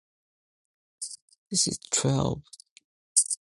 The town is a popular ice climbing destination in the winter months.